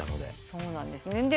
そうなんですね。